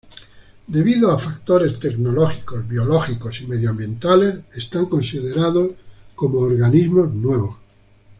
Debido a factores tecnológicos, biológicos y medioambientales, están considerados como organismos nuevos.